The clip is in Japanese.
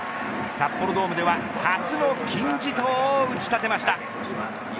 札幌ドームでは初の金字塔を打ち立てました。